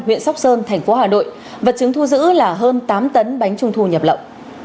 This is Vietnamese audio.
huyện sóc sơn thành phố hà nội vật chứng thu giữ là hơn tám tấn bánh trung thu nhập lậu